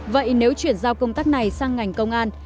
vậy nếu chuyển giao công tác này sang ngành công an